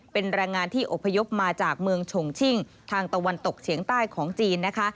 เป็นแรงงานที่อบพยพมาจากเมืองชงชิ่งทางตะวันตกเฉียงใต้ของจีนนะคะ